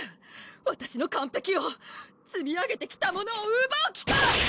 わたしの完璧をつみ上げてきたものをうばう気か！